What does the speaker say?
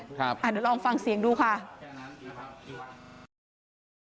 เดี๋ยวลองฟังเสียงดูค่ะ